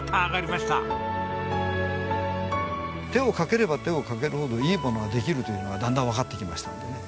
手をかければ手をかけるほどいいものができるというのはだんだんわかってきましたんでね。